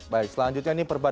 baik selanjutnya ini perbaikan